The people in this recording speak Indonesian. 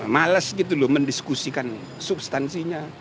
males gitu loh mendiskusikan substansinya